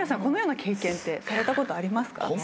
このような経験ってされたことありますか？